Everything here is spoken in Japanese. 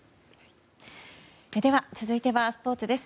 続いてはスポーツです。